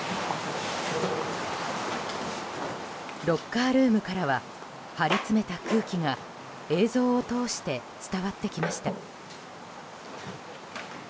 ロッカールームからは張り詰めた空気が映像を通して伝わってきました。